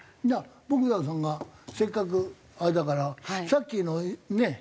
ボグダンさんがせっかくあれだからさっきのねえ。